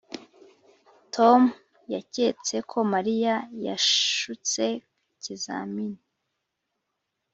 tom yaketse ko mariya yashutse ikizamini.